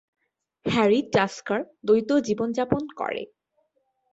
Harry Tasker দ্বৈত জীবন যাপন করে।